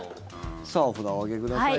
さあ札をお上げください。